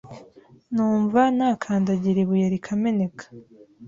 numva nakandagira ibuye rikameneka